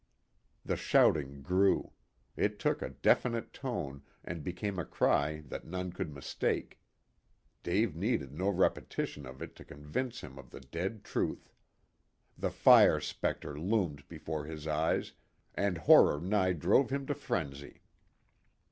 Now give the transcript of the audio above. The shouting grew. It took a definite tone, and became a cry that none could mistake. Dave needed no repetition of it to convince him of the dread truth. The fire spectre loomed before his eyes, and horror nigh drove him to frenzy.